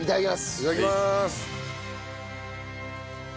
いただきます。